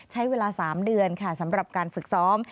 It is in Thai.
ใช้เวลา๓เดือนค่ะสำหรับการฝึกซ้อม